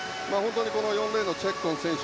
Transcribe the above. ４レーンのチェッコン選手